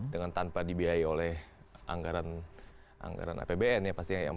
dengan tanpa dibiayai oleh anggaran apbn ya pastinya